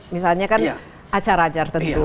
misalnya kan acara acara tentu